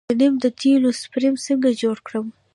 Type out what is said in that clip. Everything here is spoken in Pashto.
د نیم د تیلو سپری څنګه جوړ کړم؟